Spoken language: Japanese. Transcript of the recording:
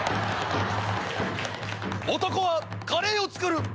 ［男はカレーを作る］